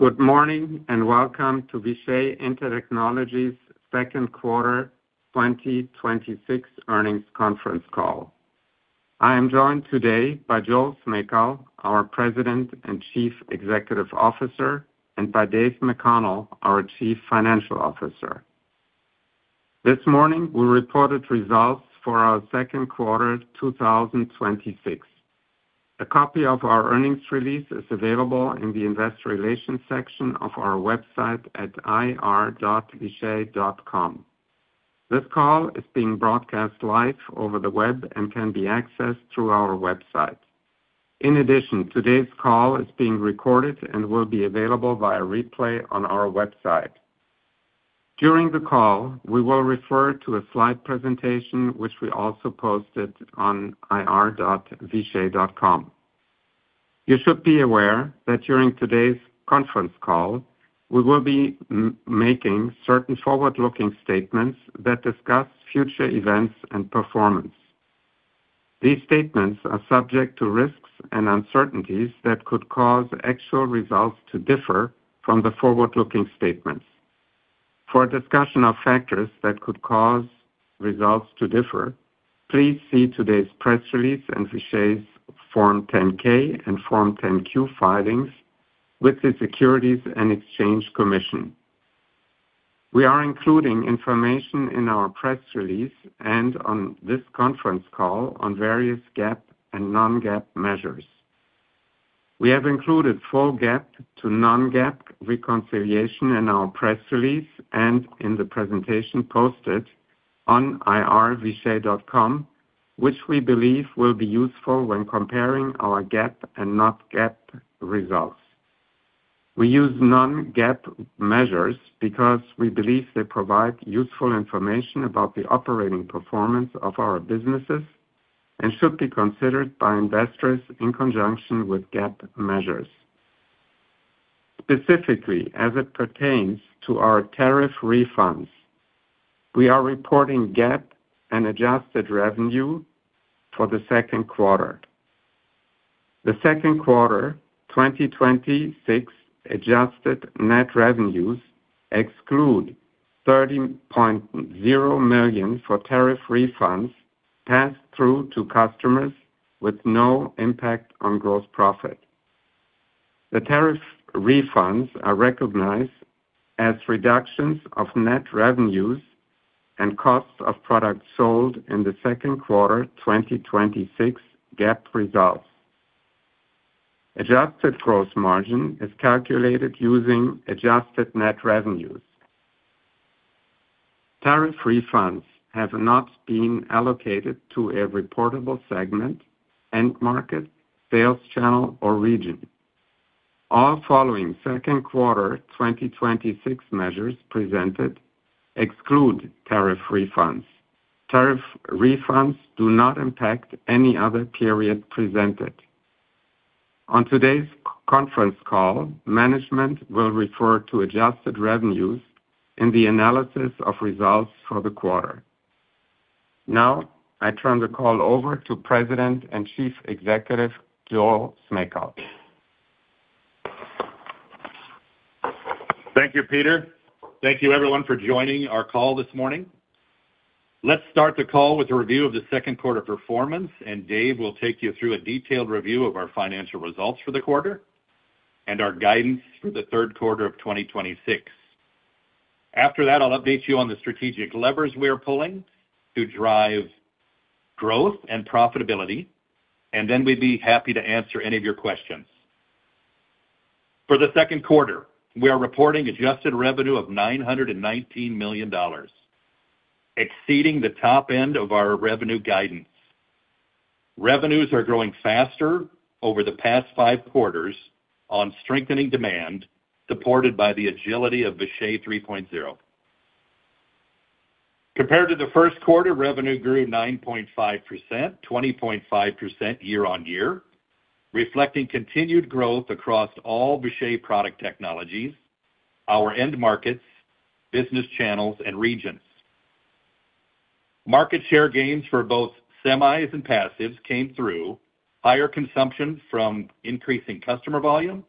Good morning. Welcome to Vishay Intertechnology's second quarter 2026 earnings conference call. I am joined today by Joel Smejkal, our President and Chief Executive Officer, and by David McConnell, our Chief Financial Officer. This morning, we reported results for our second quarter 2026. A copy of our earnings release is available in the investor relations section of our website at ir.vishay.com. This call is being broadcast live over the web and can be accessed through our website. In addition, today's call is being recorded and will be available via replay on our website. During the call, we will refer to a slide presentation which we also posted on ir.vishay.com. You should be aware that during today's conference call, we will be making certain forward-looking statements that discuss future events and performance. These statements are subject to risks and uncertainties that could cause actual results to differ from the forward-looking statements. For a discussion of factors that could cause results to differ, please see today's press release and Vishay's Form 10-K and Form 10-Q filings with the Securities and Exchange Commission. We are including information in our press release and on this conference call on various GAAP and non-GAAP measures. We have included full GAAP to non-GAAP reconciliation in our press release and in the presentation posted on ir.vishay.com, which we believe will be useful when comparing our GAAP and non-GAAP results. We use non-GAAP measures because we believe they provide useful information about the operating performance of our businesses and should be considered by investors in conjunction with GAAP measures. Specifically, as it pertains to our tariff refunds, we are reporting GAAP and adjusted revenue for the second quarter. The second quarter 2026 adjusted net revenues exclude $30.0 million for tariff refunds passed through to customers with no impact on gross profit. The tariff refunds are recognized as reductions of net revenues and costs of products sold in the second quarter 2026 GAAP results. Adjusted gross margin is calculated using adjusted net revenues. Tariff refunds have not been allocated to a reportable segment, end market, sales channel, or region. All following second quarter 2026 measures presented exclude tariff refunds. Tariff refunds do not impact any other period presented. On today's conference call, management will refer to adjusted revenues in the analysis of results for the quarter. I turn the call over to President and Chief Executive, Joel Smejkal. Thank you, Peter. Thank you, everyone, for joining our call this morning. Let's start the call with a review of the second quarter performance. Dave will take you through a detailed review of our financial results for the quarter and our guidance for the third quarter of 2026. After that, I'll update you on the strategic levers we are pulling to drive growth and profitability. Then we'd be happy to answer any of your questions. For the second quarter, we are reporting adjusted revenue of $919 million, exceeding the top end of our revenue guidance. Revenues are growing faster over the past five quarters on strengthening demand, supported by the agility of Vishay 3.0. Compared to the first quarter, revenue grew 9.5%, 20.5% year-on-year, reflecting continued growth across all Vishay product technologies, our end markets, business channels, and regions. Market share gains for both semis and passives came through higher consumption from increasing customer volume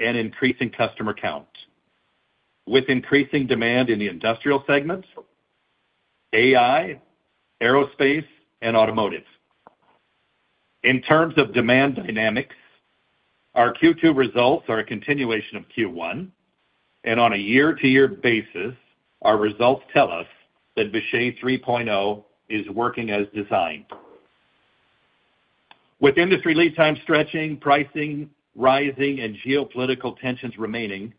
and increasing customer count, with increasing demand in the industrial segments, AI, aerospace, and automotive. In terms of demand dynamics, our Q2 results are a continuation of Q1. On a year-to-year basis, our results tell us that Vishay 3.0 is working as designed. With industry lead time stretching, pricing rising, and geopolitical tensions remaining,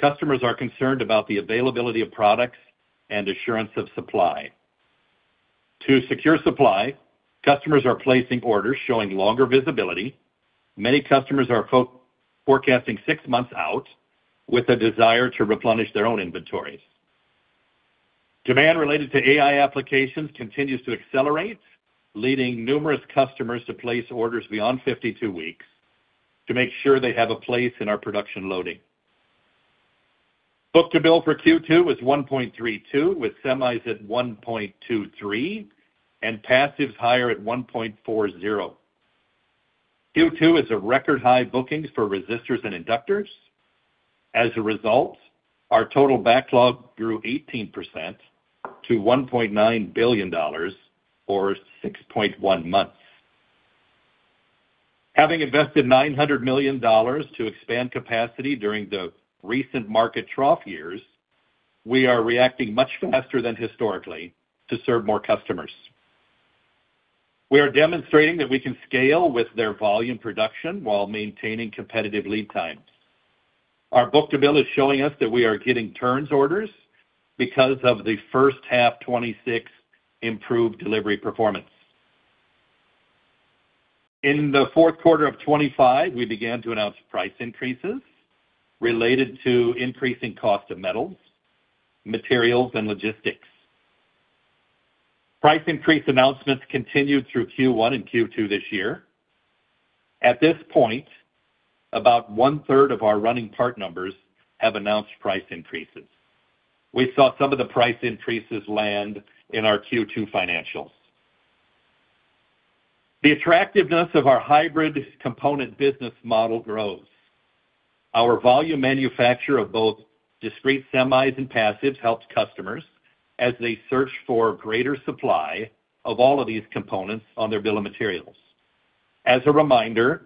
customers are concerned about the availability of products and assurance of supply. To secure supply, customers are placing orders showing longer visibility. Many customers are forecasting six months out with a desire to replenish their own inventories. Demand related to AI applications continues to accelerate, leading numerous customers to place orders beyond 52 weeks to make sure they have a place in our production loading. Book-to-bill for Q2 was 1.32, with semis at 1.23 and passives higher at 1.40. Q2 is a record high bookings for resistors and inductors. As a result, our total backlog grew 18% to $1.9 billion, or 6.1 months. Having invested $900 million to expand capacity during the recent market trough years, we are reacting much faster than historically to serve more customers. We are demonstrating that we can scale with their volume production while maintaining competitive lead times. Our book-to-bill is showing us that we are getting turns orders because of the first half 2026 improved delivery performance. In the fourth quarter of 2025, we began to announce price increases related to increasing cost of metals, materials, and logistics. Price increase announcements continued through Q1 and Q2 this year. At this point, about one-third of our running part numbers have announced price increases. We saw some of the price increases land in our Q2 financials. The attractiveness of our hybrid component business model grows. Our volume manufacture of both discrete semis and passives helps customers as they search for greater supply of all of these components on their bill of materials. As a reminder,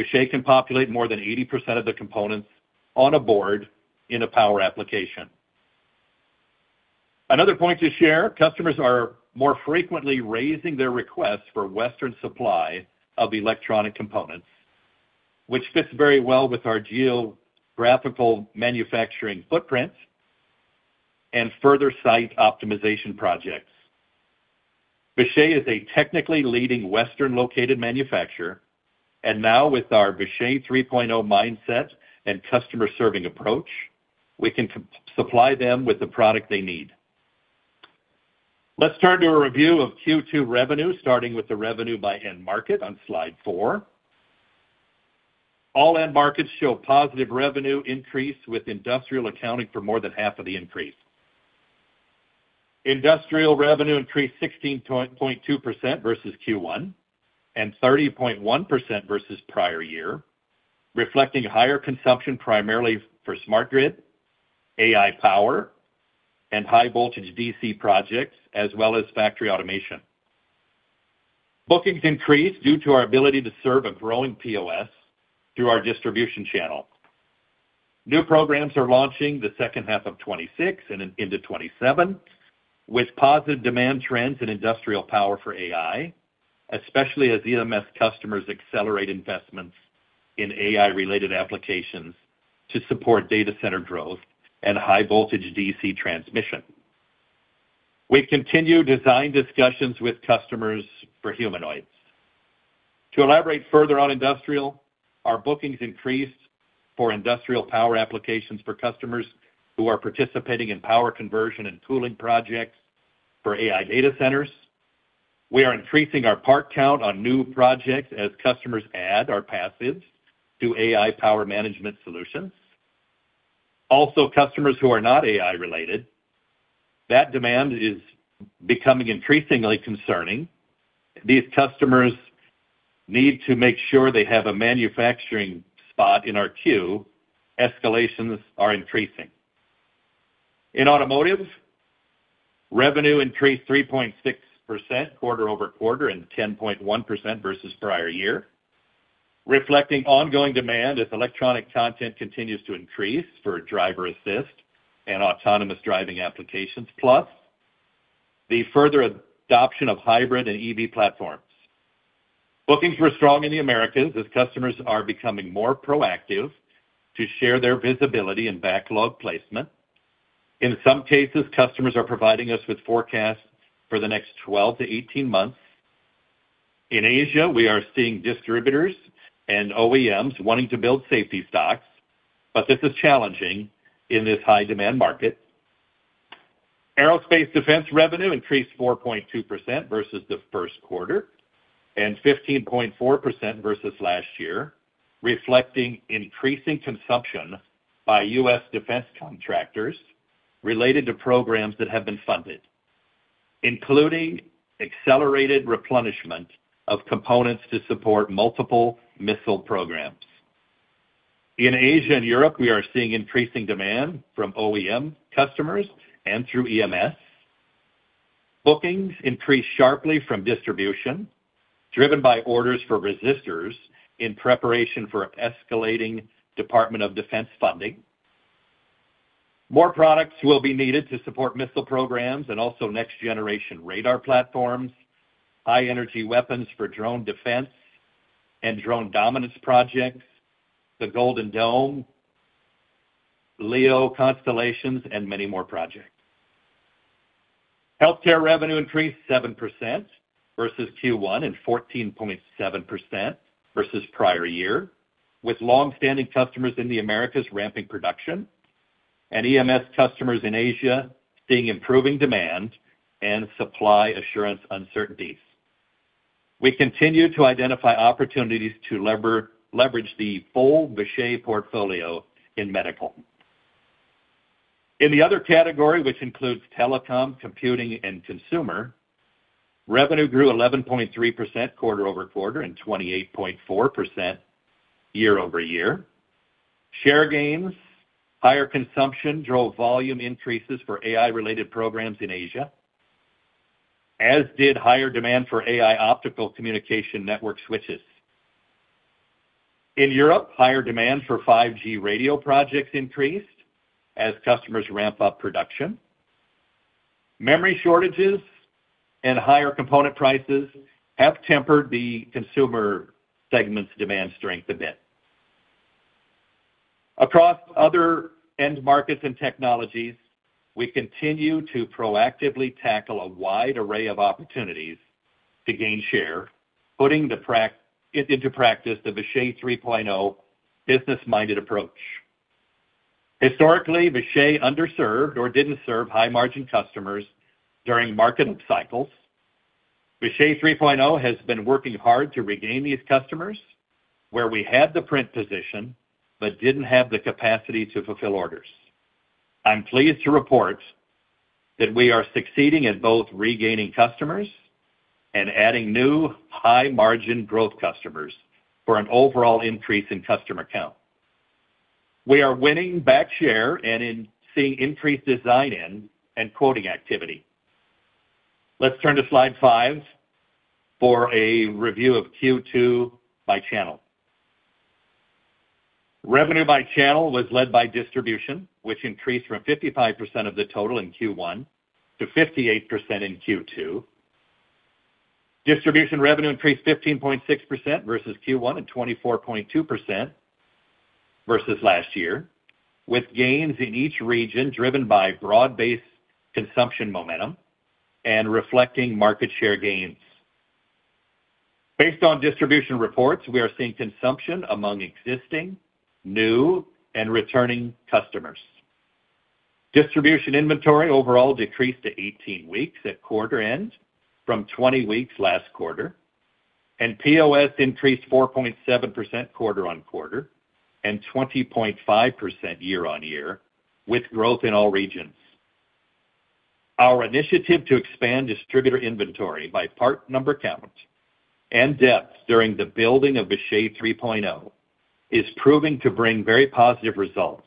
Vishay can populate more than 80% of the components on a board in a power application. Another point to share, customers are more frequently raising their requests for Western supply of electronic components, which fits very well with our geographical manufacturing footprint and further site optimization projects. Vishay is a technically leading Western-located manufacturer. Now with our Vishay 3.0 mindset and customer-serving approach, we can supply them with the product they need. Let's turn to a review of Q2 revenue, starting with the revenue by end market on slide four. All end markets show positive revenue increase, with industrial accounting for more than half of the increase. Industrial revenue increased 16.2% versus Q1 and 30.1% versus prior year, reflecting higher consumption primarily for smart grid, AI power, and high voltage DC projects, as well as factory automation. Bookings increased due to our ability to serve a growing POS through our distribution channel. New programs are launching the second half of 2026 and into 2027, with positive demand trends in industrial power for AI, especially as EMS customers accelerate investments in AI-related applications to support data center growth and high voltage DC transmission. We continue design discussions with customers for humanoids. To elaborate further on industrial, our bookings increased for industrial power applications for customers who are participating in power conversion and cooling projects for AI data centers. We are increasing our part count on new projects as customers add our passives to AI power management solutions. Customers who are not AI-related, that demand is becoming increasingly concerning. These customers need to make sure they have a manufacturing spot in our queue. Escalations are increasing. In automotive, revenue increased 3.6% quarter-over-quarter and 10.1% versus prior year, reflecting ongoing demand as electronic content continues to increase for driver-assist and autonomous driving applications, plus the further adoption of hybrid and EV platforms. Bookings were strong in the Americas as customers are becoming more proactive to share their visibility and backlog placement. In some cases, customers are providing us with forecasts for the next 12-18 months. In Asia, we are seeing distributors and OEMs wanting to build safety stocks, but this is challenging in this high-demand market. Aerospace defense revenue increased 4.2% versus the first quarter and 15.4% versus last year, reflecting increasing consumption by US Defense contractors related to programs that have been funded, including accelerated replenishment of components to support multiple missile programs. In Asia and Europe, we are seeing increasing demand from OEM customers and through EMS. Bookings increased sharply from distribution, driven by orders for resistors in preparation for escalating Department of Defense funding. More products will be needed to support missile programs and also next-generation radar platforms, high-energy weapons for drone defense and drone dominance projects, the Golden Dome, LEO constellations, and many more projects. Healthcare revenue increased 7% versus Q1 and 14.7% versus prior year, with longstanding customers in the Americas ramping production and EMS customers in Asia seeing improving demand and supply assurance uncertainties. We continue to identify opportunities to leverage the full Vishay portfolio in medical. In the other category, which includes telecom, computing, and consumer, revenue grew 11.3% quarter-over-quarter and 28.4% year-over-year. Share gains, higher consumption drove volume increases for AI-related programs in Asia, as did higher demand for AI optical communication network switches. In Europe, higher demand for 5G radio projects increased as customers ramp up production. Memory shortages and higher component prices have tempered the consumer segment's demand strength a bit. Across other end markets and technologies, we continue to proactively tackle a wide array of opportunities to gain share, putting into practice the Vishay 3.0 business-minded approach. Historically, Vishay underserved or didn't serve high-margin customers during market up cycles. Vishay 3.0 has been working hard to regain these customers, where we had the print position but didn't have the capacity to fulfill orders. I'm pleased to report that we are succeeding at both regaining customers and adding new high-margin growth customers for an overall increase in customer count. We are winning back share and seeing increased design-in and quoting activity. Let's turn to slide five for a review of Q2 by channel. Revenue by channel was led by distribution, which increased from 55% of the total in Q1 to 58% in Q2. Distribution revenue increased 15.6% versus Q1 and 24.2% versus last year, with gains in each region driven by broad-based consumption momentum and reflecting market share gains. Based on distribution reports, we are seeing consumption among existing, new, and returning customers. Distribution inventory overall decreased to 18 weeks at quarter end from 20 weeks last quarter, and POS increased 4.7% quarter-on-quarter and 20.5% year-on-year with growth in all regions. Our initiative to expand distributor inventory by part number count and depth during the building of Vishay 3.0 is proving to bring very positive results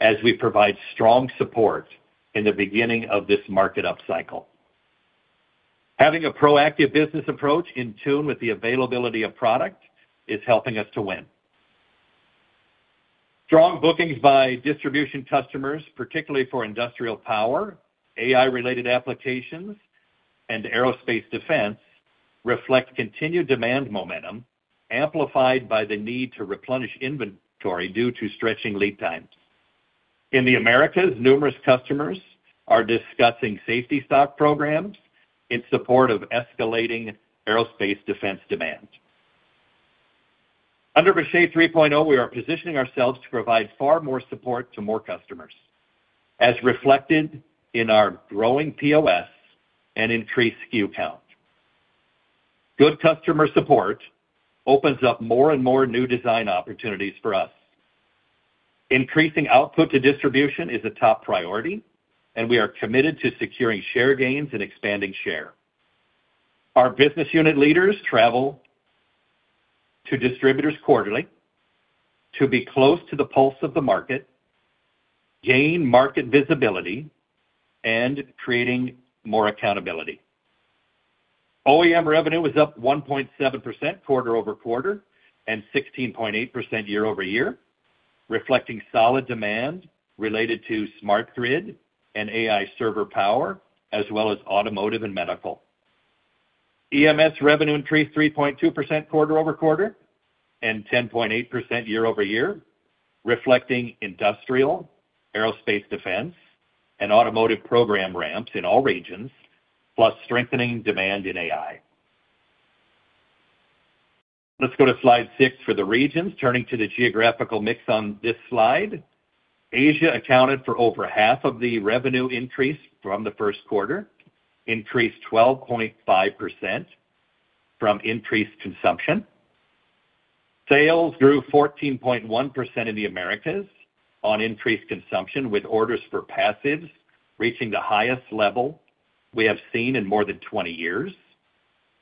as we provide strong support in the beginning of this market upcycle. Having a proactive business approach in tune with the availability of product is helping us to win. Strong bookings by distribution customers, particularly for industrial power, AI-related applications, and aerospace defense, reflect continued demand momentum amplified by the need to replenish inventory due to stretching lead times. In the Americas, numerous customers are discussing safety stock programs in support of escalating aerospace defense demand. Under Vishay 3.0, we are positioning ourselves to provide far more support to more customers, as reflected in our growing POS and increased SKU count. Good customer support opens up more and more new design opportunities for us. Increasing output to distribution is a top priority, we are committed to securing share gains and expanding share. Our business unit leaders travel to distributors quarterly to be close to the pulse of the market, gain market visibility, and creating more accountability. OEM revenue was up 1.7% quarter-over-quarter and 16.8% year-over-year, reflecting solid demand related to smart grid and AI server power, as well as automotive and medical. EMS revenue increased 3.2% quarter-over-quarter and 10.8% year-over-year, reflecting industrial, aerospace, defense, and automotive program ramps in all regions, plus strengthening demand in AI. Let's go to slide six for the regions. Turning to the geographical mix on this slide, Asia accounted for over half of the revenue increase from the first quarter, increased 12.5% from increased consumption. Sales grew 14.1% in the Americas on increased consumption, with orders for passives reaching the highest level we have seen in more than 20 years,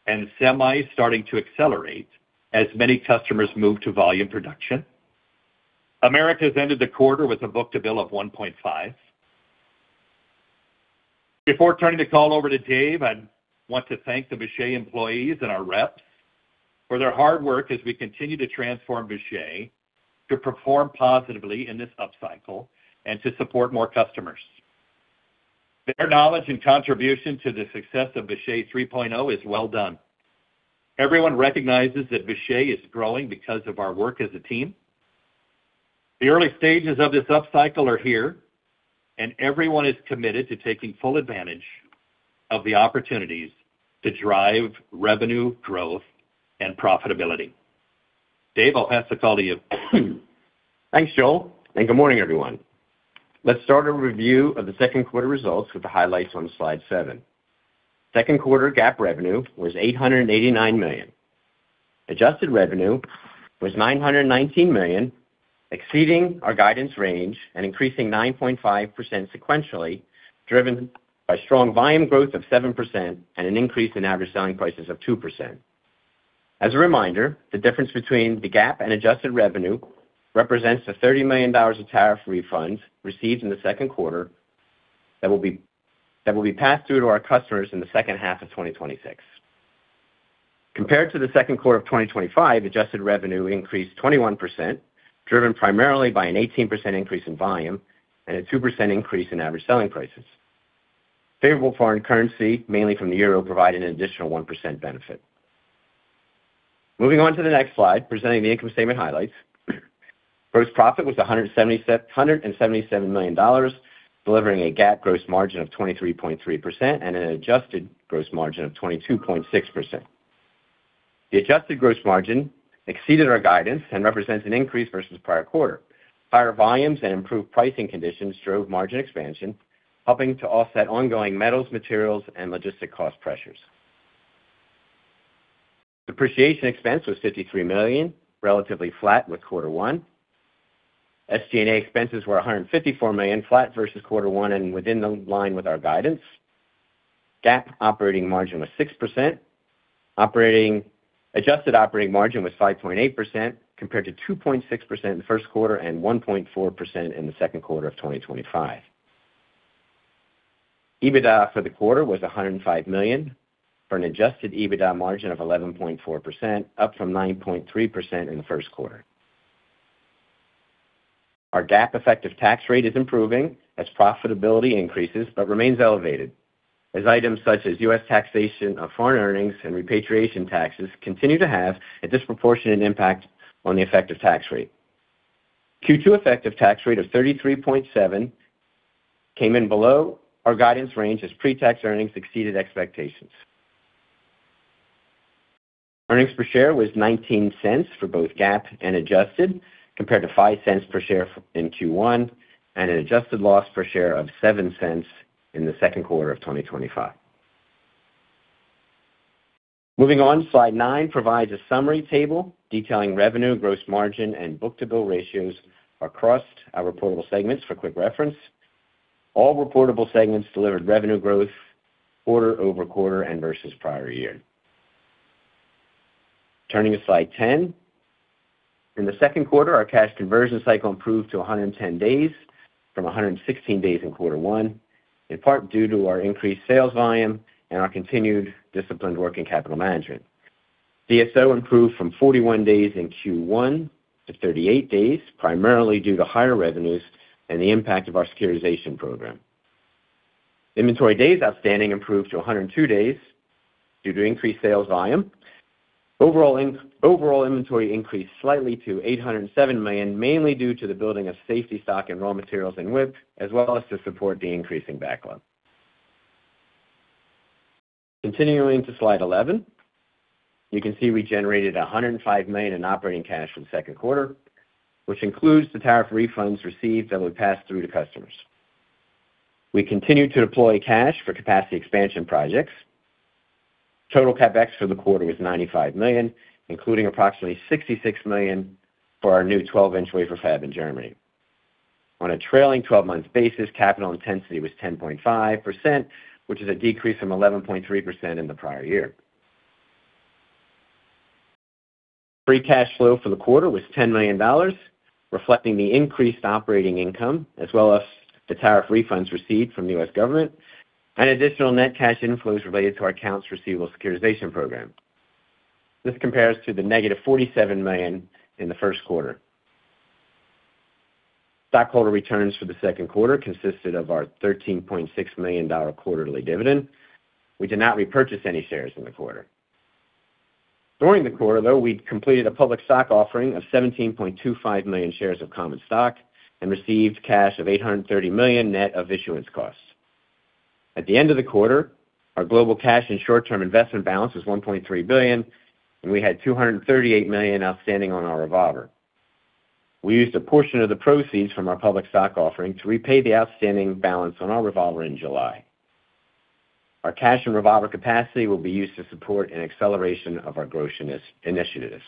and semi starting to accelerate as many customers move to volume production. Americas ended the quarter with a book to bill of 1.5. Before turning the call over to Dave, I want to thank the Vishay employees and our reps for their hard work as we continue to transform Vishay to perform positively in this upcycle and to support more customers. Their knowledge and contribution to the success of Vishay 3.0 is well done. Everyone recognizes that Vishay is growing because of our work as a team. The early stages of this upcycle are here, everyone is committed to taking full advantage of the opportunities to drive revenue growth and profitability. Dave, I'll pass the call to you. Thanks, Joel, good morning, everyone. Let's start a review of the second quarter results with the highlights on slide seven. Second quarter GAAP revenue was $889 million. Adjusted revenue was $919 million, exceeding our guidance range and increasing 9.5% sequentially, driven by strong volume growth of 7% and an increase in Average Selling Prices of 2%. As a reminder, the difference between the GAAP and adjusted revenue represents the $30 million of tariff refunds received in the second quarter that will be passed through to our customers in the second half of 2026. Compared to the second quarter of 2025, adjusted revenue increased 21%, driven primarily by an 18% increase in volume and a 2% increase in Average Selling Prices. Favorable foreign currency, mainly from the euro, provided an additional 1% benefit. Moving on to the next slide, presenting the income statement highlights. Gross profit was $177 million, delivering a GAAP gross margin of 23.3% and an adjusted gross margin of 22.6%. The adjusted gross margin exceeded our guidance and represents an increase versus prior quarter. Higher volumes and improved pricing conditions drove margin expansion, helping to offset ongoing metals, materials, and logistic cost pressures. Depreciation expense was $53 million, relatively flat with quarter one. SG&A expenses were $154 million, flat versus quarter one, and in line with our guidance. GAAP operating margin was 6%. Adjusted operating margin was 5.8%, compared to 2.6% in the first quarter and 1.4% in the second quarter of 2025. EBITDA for the quarter was $105 million, for an adjusted EBITDA margin of 11.4%, up from 9.3% in the first quarter. Our GAAP effective tax rate is improving as profitability increases, but remains elevated, as items such as U.S. taxation of foreign earnings and repatriation taxes continue to have a disproportionate impact on the effective tax rate. Q2 effective tax rate of 33.7% came in below our guidance range as pre-tax earnings exceeded expectations. Earnings per share was $0.19 for both GAAP and adjusted, compared to $0.05 per share in Q1, and an adjusted loss per share of $0.07 in the second quarter of 2025. Moving on, slide nine provides a summary table detailing revenue, gross margin, and book-to-bill ratios across our reportable segments for quick reference. All reportable segments delivered revenue growth quarter-over-quarter and versus prior year. Turning to slide 10. In the second quarter, our cash conversion cycle improved to 110 days from 116 days in quarter one, in part due to our increased sales volume and our continued disciplined working capital management. DSO improved from 41 days in Q1 to 38 days, primarily due to higher revenues and the impact of our securitization program. Inventory days outstanding improved to 102 days due to increased sales volume. Overall inventory increased slightly to $807 million, mainly due to the building of safety stock and raw materials in WIP, as well as to support the increasing backlog. Continuing to slide 11. You can see we generated $105 million in operating cash from second quarter, which includes the tariff refunds received that we passed through to customers. We continued to deploy cash for capacity expansion projects. Total CapEx for the quarter was $95 million, including approximately $66 million for our new 12-inch wafer fab in Germany. On a trailing 12-month basis, capital intensity was 10.5%, which is a decrease from 11.3% in the prior year. Free cash flow for the quarter was $10 million, reflecting the increased operating income, as well as the tariff refunds received from the U.S. government and additional net cash inflows related to our accounts receivable securitization program. This compares to the -$47 million in the first quarter. Shareholder returns for the second quarter consisted of our $13.6 million quarterly dividend. We did not repurchase any shares in the quarter. During the quarter, though, we completed a public stock offering of 17.25 million shares of common stock and received cash of $830 million net of issuance costs. At the end of the quarter, our global cash and short-term investment balance was $1.3 billion, and we had $238 million outstanding on our revolver. We used a portion of the proceeds from our public stock offering to repay the outstanding balance on our revolver in July. Our cash and revolver capacity will be used to support an acceleration of our growth initiatives.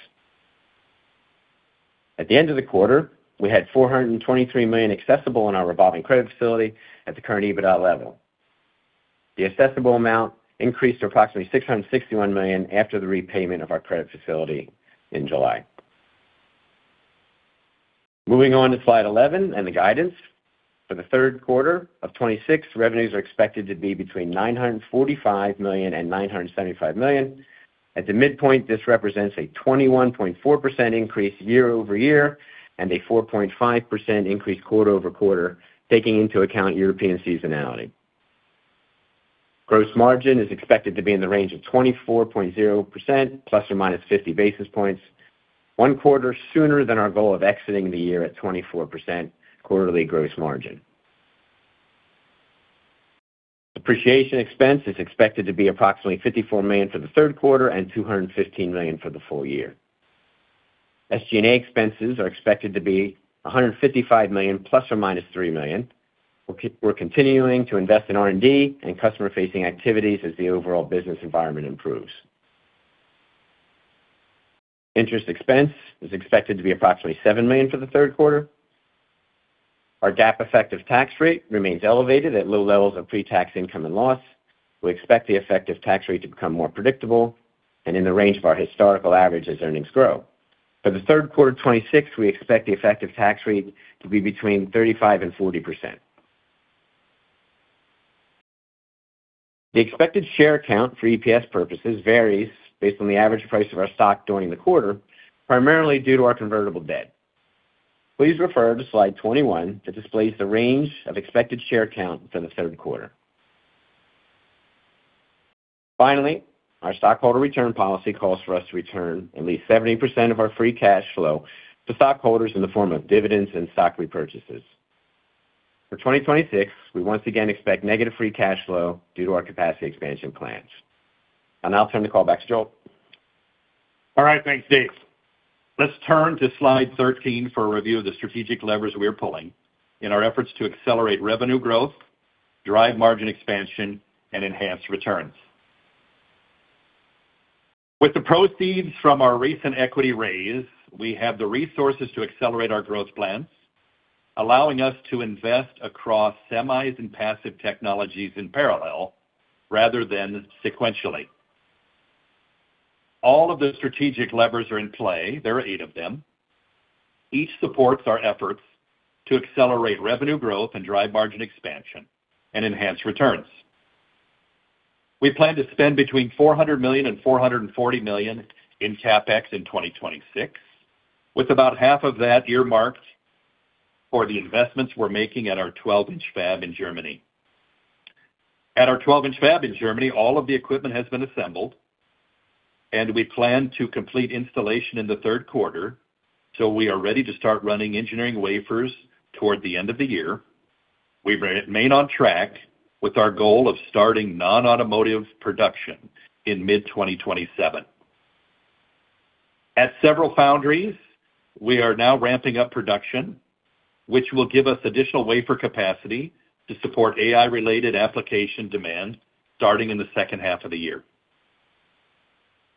At the end of the quarter, we had $423 million accessible in our revolving credit facility at the current EBITDA level. The accessible amount increased to approximately $661 million after the repayment of our credit facility in July. Moving on to slide 11 and the guidance. For the third quarter of 2026, revenues are expected to be between $945 million and $975 million. At the midpoint, this represents a 21.4% increase year-over-year and a 4.5% increase quarter-over-quarter, taking into account European seasonality. Gross margin is expected to be in the range of 24.0% ± 50 basis points, one quarter sooner than our goal of exiting the year at 24% quarterly gross margin. Depreciation expense is expected to be approximately $54 million for the third quarter and $215 million for the full year. SG&A expenses are expected to be $155 million ± $3 million. We're continuing to invest in R&D and customer-facing activities as the overall business environment improves. Interest expense is expected to be approximately $7 million for the third quarter. Our GAAP effective tax rate remains elevated at low levels of pre-tax income and loss. We expect the effective tax rate to become more predictable and in the range of our historical average as earnings grow. For the third quarter of 2026, we expect the effective tax rate to be between 35% and 40%. The expected share count for EPS purposes varies based on the average price of our stock during the quarter, primarily due to our convertible debt. Please refer to Slide 21 that displays the range of expected share counts in the third quarter. Finally, our Stockholder Return Policy calls for us to return at least 70% of our free cash flow to stockholders in the form of dividends and stock repurchases. For 2026, we once again expect negative free cash flow due to our capacity expansion plans. I'll now turn the call back to Joel. All right. Thanks, Dave. Let's turn to slide 13 for a review of the strategic levers we are pulling in our efforts to accelerate revenue growth, drive margin expansion, and enhance returns. With the proceeds from our recent equity raise, we have the resources to accelerate our growth plans, allowing us to invest across semis and passive technologies in parallel rather than sequentially. All of the strategic levers are in play. There are eight of them. Each supports our efforts to accelerate revenue growth and drive margin expansion and enhance returns. We plan to spend between $400 million and $440 million in CapEx in 2026, with about half of that earmarked for the investments we're making at our 12-inch fab in Germany. At our 12-inch fab in Germany, all of the equipment has been assembled, and we plan to complete installation in the third quarter, so we are ready to start running engineering wafers toward the end of the year. We remain on track with our goal of starting non-automotive production in mid-2027. At several foundries, we are now ramping up production, which will give us additional wafer capacity to support AI-related application demand starting in the second half of the year.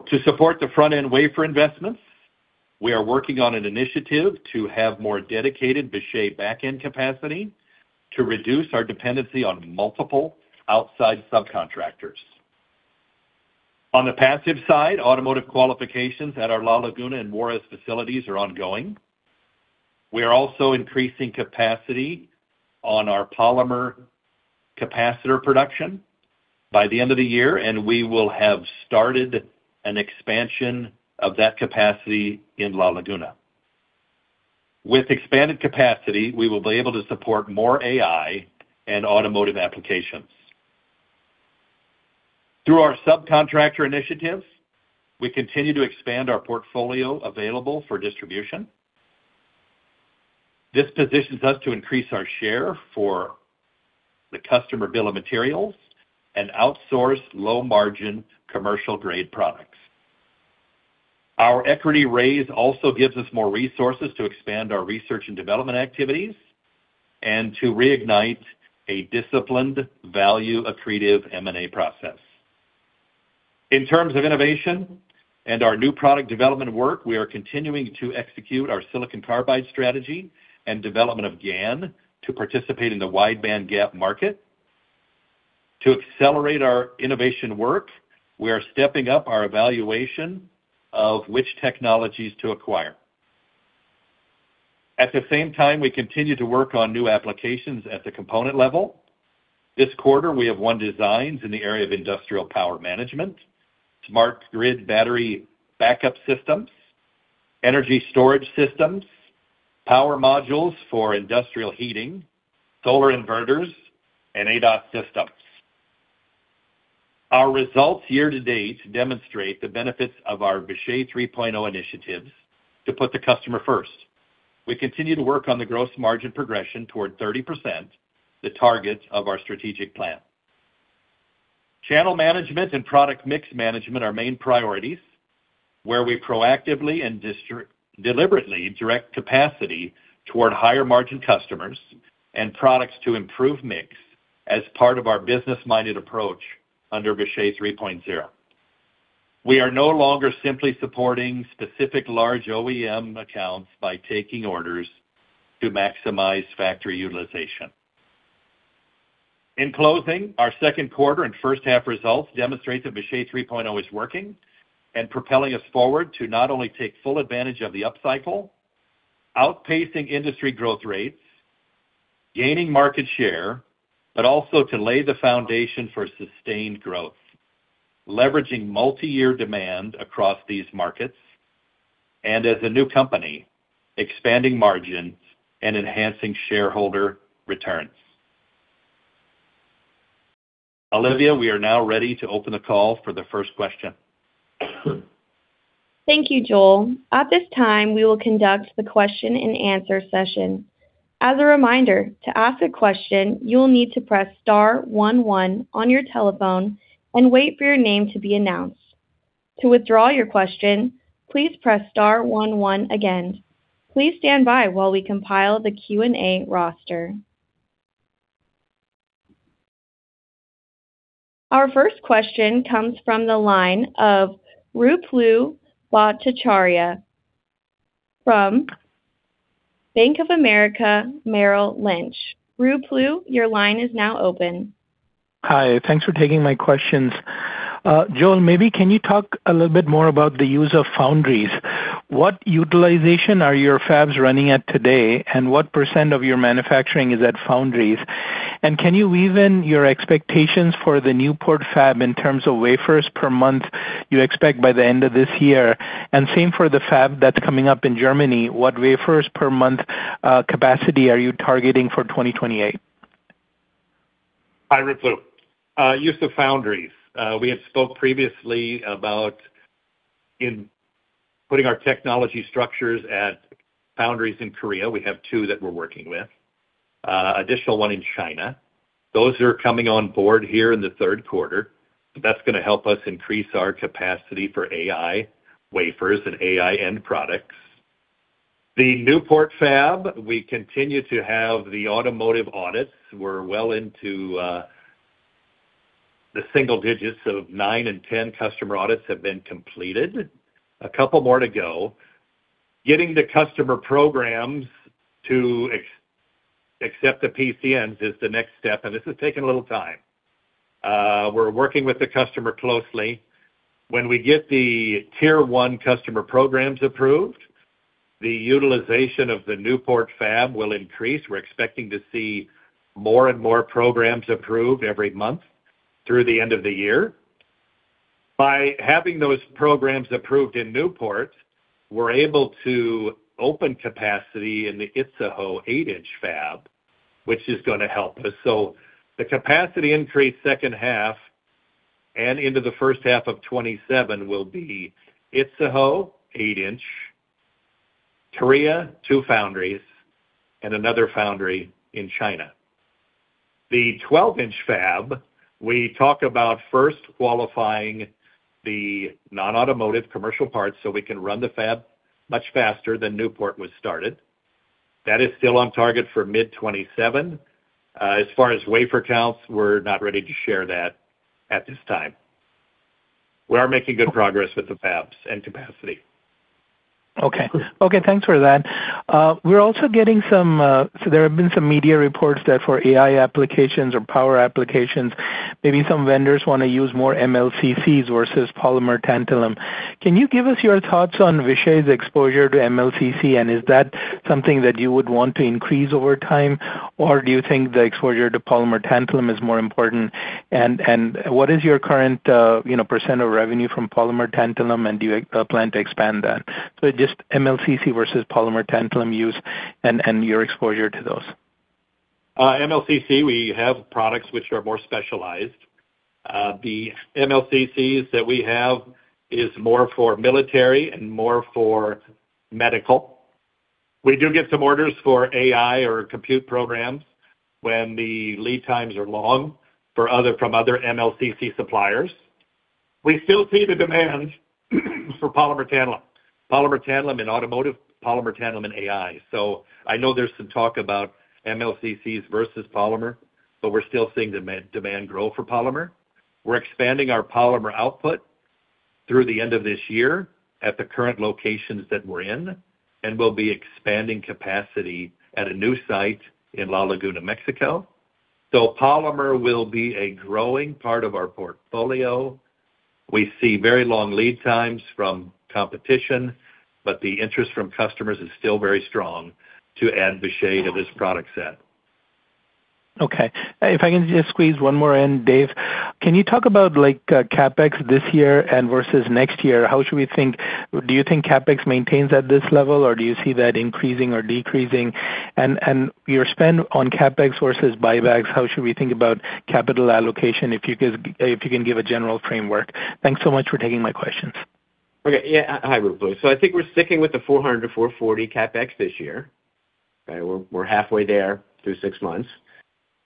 To support the front-end wafer investments, we are working on an initiative to have more dedicated Vishay back-end capacity to reduce our dependency on multiple outside subcontractors. On the passive side, automotive qualifications at our La Laguna and Juarez facilities are ongoing. We are also increasing capacity on our polymer capacitor production by the end of the year, and we will have started an expansion of that capacity in La Laguna. With expanded capacity, we will be able to support more AI and automotive applications. Through our subcontractor initiatives, we continue to expand our portfolio available for distribution. This positions us to increase our share for the customer bill of materials and outsource low-margin commercial grade products. Our equity raise also gives us more resources to expand our R&D activities and to reignite a disciplined value accretive M&A process. In terms of innovation and our new product development work, we are continuing to execute our silicon carbide strategy and development of GaN to participate in the wide bandgap market. To accelerate our innovation work, we are stepping up our evaluation of which technologies to acquire. At the same time, we continue to work on new applications at the component level. This quarter, we have won designs in the area of industrial power management, smart grid battery backup systems, energy storage systems, power modules for industrial heating, solar inverters, and ADAS systems. Our results here to date demonstrate the benefits of our Vishay 3.0 initiatives to put the customer first. We continue to work on the gross margin progression toward 30%, the target of our strategic plan. Channel management and product mix management are main priorities, where we proactively and deliberately direct capacity toward higher margin customers and products to improve mix as part of our business-minded approach under Vishay 3.0. We are no longer simply supporting specific large OEM accounts by taking orders to maximize factory utilization. In closing, our second quarter and first half results demonstrate that Vishay 3.0 is working and propelling us forward to not only take full advantage of the upcycle, outpacing industry growth rates, gaining market share, but also to lay the foundation for sustained growth, leveraging multiyear demand across these markets, and as a new company, expanding margins and enhancing shareholder returns. Olivia, we are now ready to open the call for the first question. Thank you, Joel. At this time, we will conduct the question and answer session. As a reminder, to ask a question, you will need to press star one one on your telephone and wait for your name to be announced. To withdraw your question, please press star one one again. Please stand by while we compile the Q&A roster. Our first question comes from the line of Ruplu Bhattacharya from Bank of America Merrill Lynch. Ruplu, your line is now open. Hi. Thanks for taking my questions. Joel, maybe can you talk a little bit more about the use of foundries? What utilization are your fabs running at today, and what percent of your manufacturing is at foundries? Can you weave in your expectations for the Newport fab in terms of wafers per month you expect by the end of this year? Same for the fab that's coming up in Germany, what wafers per month capacity are you targeting for 2028? Hi, Ruplu. Use of foundries. We had spoke previously about in putting our technology structures at foundries in Korea. We have two that we're working with. Additional one in China. Those are coming on board here in the third quarter. That's going to help us increase our capacity for AI wafers and AI end products. The Newport fab, we continue to have the automotive audits. We're well into the single digits of nine and 10 customer audits have been completed. A couple more to go. Getting the customer programs to accept the PCNs is the next step, and this is taking a little time. We're working with the customer closely. When we get the Tier 1 customer programs approved, the utilization of the Newport fab will increase. We're expecting to see more and more programs approved every month through the end of the year. By having those programs approved in Newport, we're able to open capacity in the Idaho eight-inch fab, which is going to help us. The capacity increase second half and into the first half of 2027 will be Idaho, eight-inch, Korea, two foundries, and another foundry in China. The 12-inch fab, we talk about first qualifying the non-automotive commercial parts so we can run the fab much faster than Newport was started. That is still on target for mid 2027. As far as wafer counts, we're not ready to share that at this time. We are making good progress wit h the fabs and capacity. Okay. Thanks for that. There have been some media reports that for AI applications or power applications, maybe some vendors want to use more MLCCs versus polymer tantalum. Can you give us your thoughts on Vishay's exposure to MLCC, and is that something that you would want to increase over time? Or do you think the exposure to polymer tantalum is more important? And what is your current percent of revenue from polymer tantalum, and do you plan to expand that? Just MLCC versus polymer tantalum use and your exposure to those. MLCC, we have products which are more specialized. The MLCCs that we have is more for military and more for medical. We do get some orders for AI or compute programs when the lead times are long from other MLCC suppliers. We still see the demand for polymer tantalum. Polymer tantalum in automotive, polymer tantalum in AI. I know there's some talk about MLCCs versus polymer, we're still seeing demand grow for polymer. We're expanding our polymer output through the end of this year at the current locations that we're in, and we'll be expanding capacity at a new site in La Laguna, Mexico. Polymer will be a growing part of our portfolio. We see very long lead times from competition, the interest from customers is still very strong to add Vishay to this product set. Okay. If I can just squeeze one more in, Dave, can you talk about CapEx this year and versus next year? Do you think CapEx maintains at this level, or do you see that increasing or decreasing? Your spend on CapEx versus buybacks, how should we think about capital allocation, if you can give a general framework? Thanks so much for taking my questions. Okay. Yeah. Hi, Ruplu. I think we're sticking with the $400-$440 CapEx this year. We're halfway there through six months.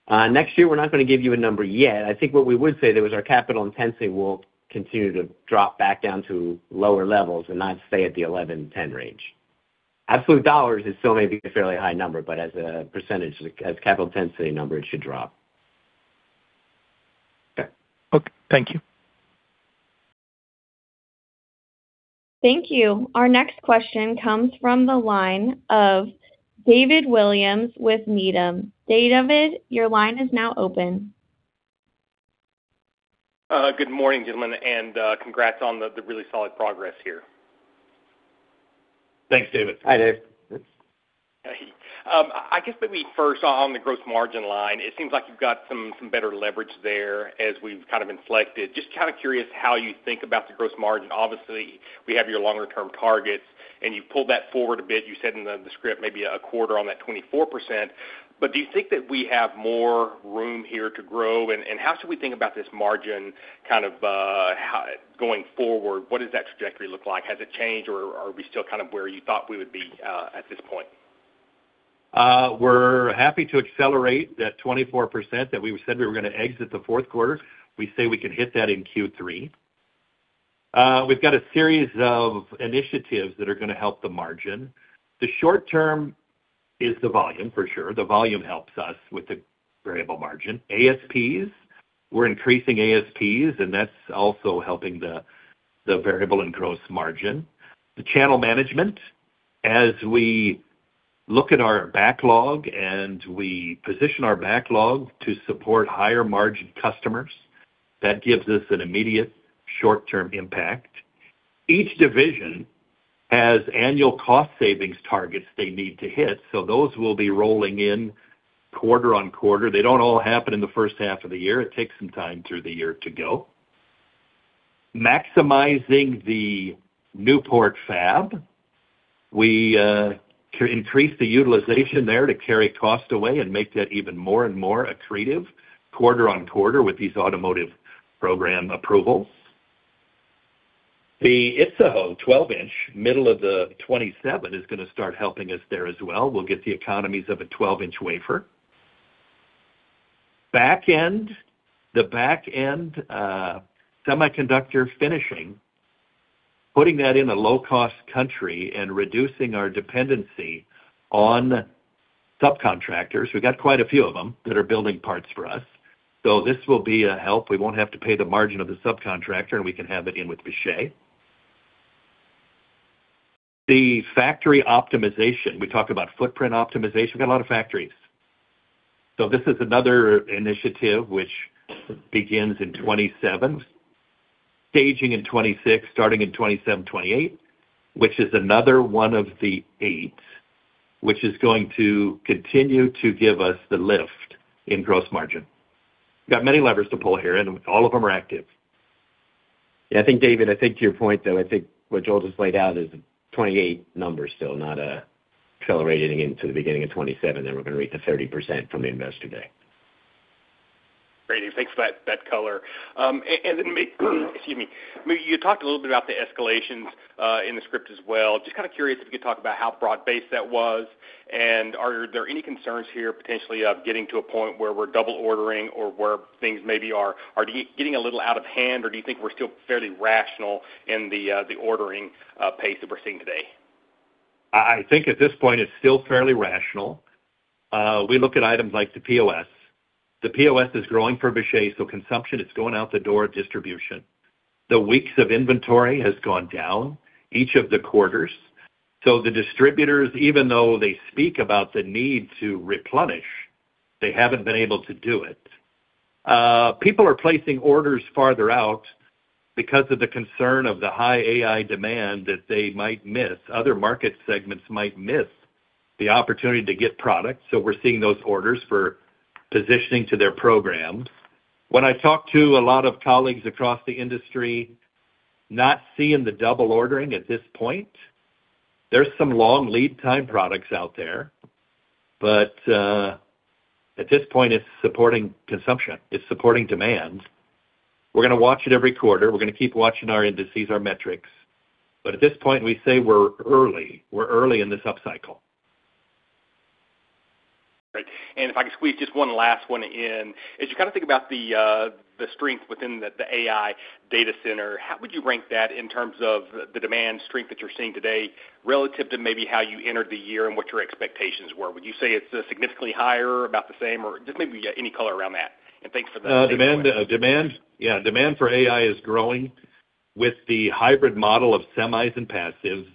Next year, we're not going to give you a number yet. I think what we would say though is our capital intensity will continue to drop back down to lower levels and not stay at the 11%-10% range. Absolute dollars is still maybe a fairly high number, as a percentage, as capital intensity number, it should drop. Okay. Thank you. Thank you. Our next question comes from the line of David Williams with Needham. David, your line is now open. Good morning, gentlemen. Congrats on the really solid progress here. Thanks, David. Hi, Dave. I guess maybe first on the gross margin line, it seems like you've got some better leverage there as we've kind of inflected. Just kind of curious how you think about the gross margin. Obviously, we have your longer-term targets, you've pulled that forward a bit. You said in the script maybe a quarter on that 24%, do you think that we have more room here to grow? How should we think about this margin kind of going forward? What does that trajectory look like? Has it changed, are we still kind of where you thought we would be, at this point? We're happy to accelerate that 24% that we said we were going to exit the fourth quarter. We say we can hit that in Q3. We've got a series of initiatives that are going to help the margin. The short-term is the volume, for sure. The volume helps us with the variable margin. ASPs, we're increasing ASPs, and that's also helping the variable and gross margin. The channel management, as we look at our backlog and we position our backlog to support higher-margin customers, that gives us an immediate short-term impact. Each division has annual cost savings targets they need to hit, those will be rolling in quarter on quarter. They don't all happen in the first half of the year. It takes some time through the year to go. Maximizing the Newport fab. We increase the utilization there to carry cost away and make that even more and more accretive quarter on quarter with these automotive program approvals. The IItzehoe 12-inch, middle of the 2027, is going to start helping us there as well. We'll get the economies of a 12-inch wafer. Back end, the back end semiconductor finishing, putting that in a low-cost country and reducing our dependency on subcontractors. We've got quite a few of them that are building parts for us, this will be a help. We won't have to pay the margin of the subcontractor, we can have it in with Vishay. The factory optimization, we talked about footprint optimization. Got a lot of factories. This is another initiative which begins in 2027, staging in 2026, starting in 2027, 2028, which is another one of the eight, which is going to continue to give us the lift in gross margin. Got many levers to pull here, and all of them are active. Yeah, I think, David, I think to your point, though, I think what Joel just laid out is 2028 numbers still, not accelerating into the beginning of 2027, then we're going to reach the 30% from the investor day. Great. Thanks for that color. Excuse me. You talked a little bit about the escalations in the script as well. Just kind of curious if you could talk about how broad-based that was, and are there any concerns here potentially of getting to a point where we're double ordering or where things maybe are getting a little out of hand, or do you think we're still fairly rational in the ordering pace that we're seeing today? I think at this point it's still fairly rational. We look at items like the POS. The POS is growing for Vishay, so consumption is going out the door at distribution. The weeks of inventory has gone down each of the quarters. The distributors, even though they speak about the need to replenish, they haven't been able to do it. People are placing orders farther out because of the concern of the high AI demand that they might miss, other market segments might miss the opportunity to get product. We're seeing those orders for positioning to their programs. When I talk to a lot of colleagues across the industry, not seeing the double ordering at this point. There's some long lead time products out there, but at this point, it's supporting consumption. It's supporting demand. We're going to watch it every quarter. We're going to keep watching our indices, our metrics. At this point, we say we're early. We're early in this upcycle. Right. If I could squeeze just one last one in. As you kind of think about the strength within the AI data center, how would you rank that in terms of the demand strength that you're seeing today relative to maybe how you entered the year and what your expectations were? Would you say it's significantly higher, about the same, or just maybe any color around that? Thanks for the- Demand for AI is growing with the hybrid model of semis and passives.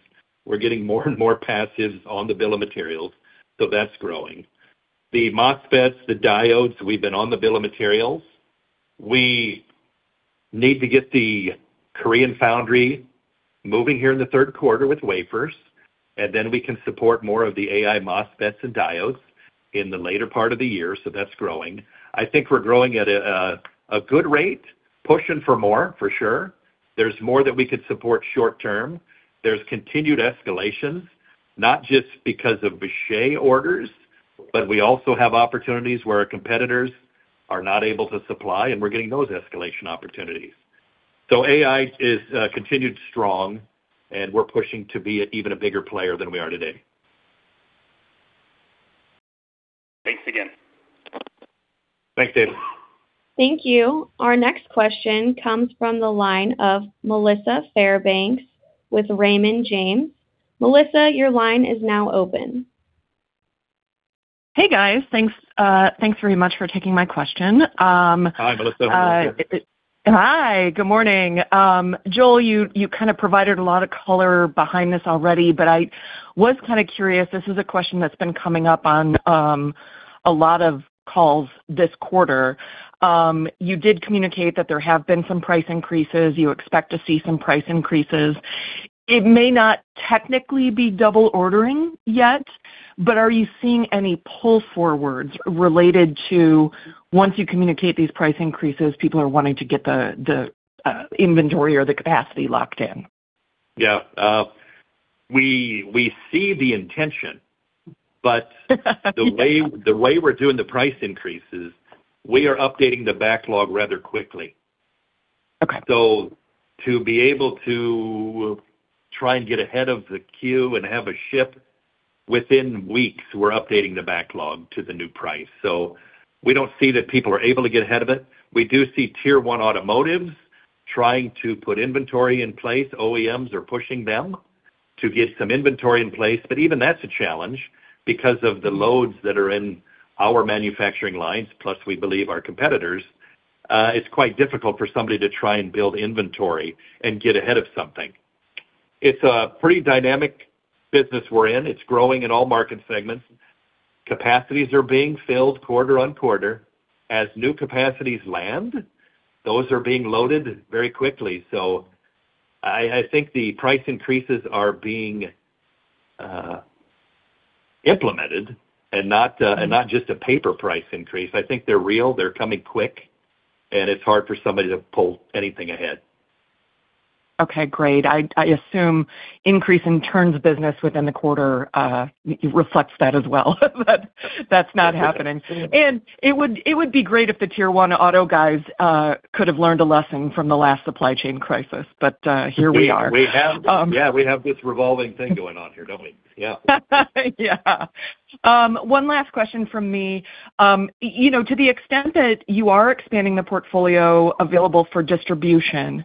We're getting more and more passives on the bill of materials, that's growing. The MOSFETs, the diodes, we've been on the bill of materials. We need to get the Korean foundry moving here in the third quarter with wafers, then we can support more of the AI MOSFETs and diodes in the later part of the year, that's growing. I think we're growing at a good rate, pushing for more, for sure. There's more that we could support short term. There's continued escalations, not just because of Vishay orders, but we also have opportunities where our competitors are not able to supply, and we're getting those escalation opportunities. AI is continued strong, and we're pushing to be even a bigger player than we are today. Thanks again. Thanks, David. Thank you. Our next question comes from the line of Melissa Fairbanks with Raymond James. Melissa, your line is now open. Hey, guys. Thanks very much for taking my question. Hi, Melissa. How are you? Hi. Good morning. Joel, you kind of provided a lot of color behind this already, I was kind of curious. This is a question that's been coming up on a lot of calls this quarter. You did communicate that there have been some price increases. You expect to see some price increases. It may not technically be double ordering yet, but are you seeing any pull forwards related to once you communicate these price increases, people are wanting to get the inventory or the capacity locked in? Yeah. We see the intention, the way we're doing the price increases, we are updating the backlog rather quickly. Okay. To be able to try and get ahead of the queue and have a ship within weeks, we're updating the backlog to the new price. We don't see that people are able to get ahead of it. We do see Tier 1 automotives trying to put inventory in place. OEMs are pushing them to get some inventory in place, but even that's a challenge because of the loads that are in our manufacturing lines, plus we believe our competitors, it's quite difficult for somebody to try and build inventory and get ahead of something. It's a pretty dynamic business we're in. It's growing in all market segments. Capacities are being filled quarter-on-quarter. As new capacities land, those are being loaded very quickly. I think the price increases are being implemented and not just a paper price increase. I think they're real, they're coming quick, and it's hard for somebody to pull anything ahead. Okay, great. I assume increase in turns business within the quarter reflects that as well, that's not happening. It would be great if the Tier 1 auto guys could have learned a lesson from the last supply chain crisis, here we are. Yeah, we have this revolving thing going on here, don't we? Yeah. Yeah. One last question from me. You know, to the extent that you are expanding the portfolio available for distribution,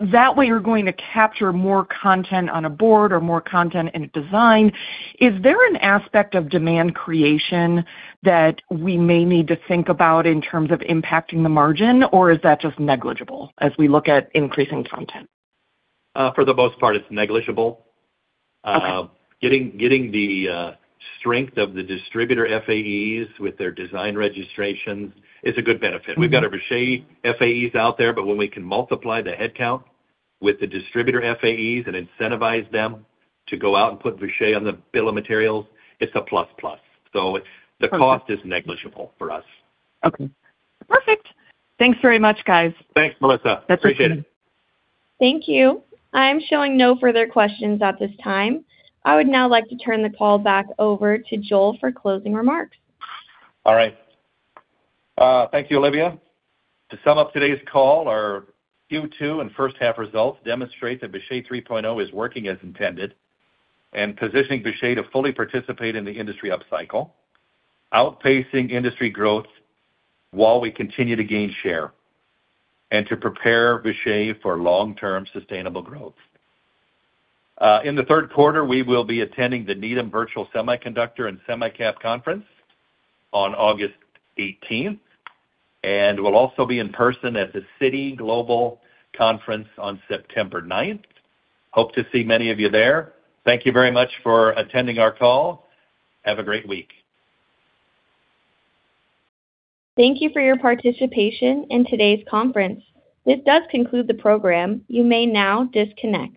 that way you're going to capture more content on a board or more content in a design, is there an aspect of demand creation that we may need to think about in terms of impacting the margin, or is that just negligible as we look at increasing content? For the most part, it's negligible. Okay. Getting the strength of the distributor FAEs with their design registrations is a good benefit. We've got our Vishay FAEs out there, but when we can multiply the headcount with the distributor FAEs and incentivize them to go out and put Vishay on the bill of materials, it's a plus plus. The cost is negligible for us. Okay. Perfect. Thanks very much, guys. Thanks, Melissa. Appreciate it. That's okay. Thank you. I'm showing no further questions at this time. I would now like to turn the call back over to Joel for closing remarks. All right. Thank you, Olivia. To sum up today's call, our Q2 and first-half results demonstrate that Vishay 3.0 is working as intended and positioning Vishay to fully participate in the industry upcycle, outpacing industry growth while we continue to gain share, and to prepare Vishay for long-term sustainable growth. In the third quarter, we will be attending the Needham Virtual Semiconductor & SemiCap Conference on August 18th, and we'll also be in person at the Citi Global Conference on September 9th. Hope to see many of you there. Thank you very much for attending our call. Have a great week. Thank you for your participation in today's conference. This does conclude the program. You may now disconnect.